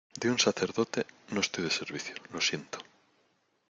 de un sacerdote, no estoy de servicio. lo siento .